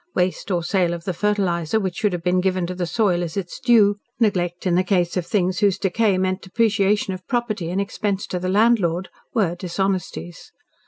Waste or sale of the fertiliser which should have been given to the soil as its due, neglect in the case of things whose decay meant depreciation of property and expense to the landlord, were dishonesties.